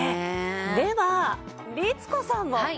では律子さんも。はい。